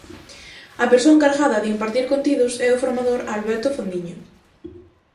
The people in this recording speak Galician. A persoa encargada de impartir contidos é o formador Alberto Fandiño.